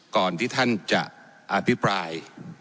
ก่อนที่ท่านจะอภิปราย